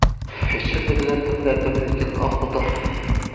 ئىچىمدە بىلەتتىم دەردىمنى لېكىن، ئاھ خۇدا!